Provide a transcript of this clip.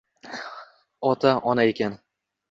Ona — ona ekan.